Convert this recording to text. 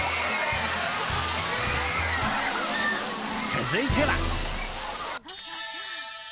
続いては。